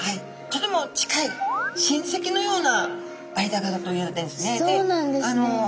とても近い親戚のような間柄といわれているんですね。